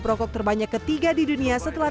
perokok terbanyak ketiga di dunia setelah